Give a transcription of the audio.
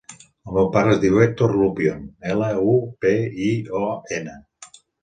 El meu pare es diu Hèctor Lupion: ela, u, pe, i, o, ena.